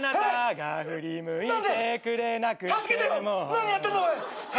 何やってんだおい！